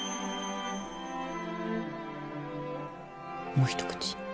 もう一口。